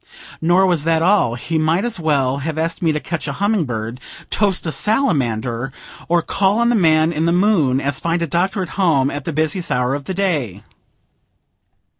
Nor was that all; he might as well have asked me to catch a humming bird, toast a salamander, or call on the man in the moon, as find a Doctor at home at the busiest hour of the day.